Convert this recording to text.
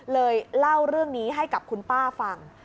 เล่าเรื่องนี้ให้กับคุณป้าฟัง